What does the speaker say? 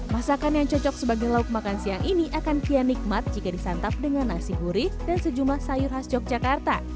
masakan yang cocok sebagai lauk makan siang ini akan kian nikmat jika disantap dengan nasi gurih dan sejumlah sayur khas yogyakarta